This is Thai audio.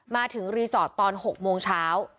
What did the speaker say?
มาถึงรีสอร์ทตอน๖โมงเช้า